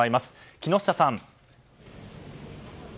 木下さん。